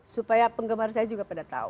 supaya penggemar saya juga pada tahu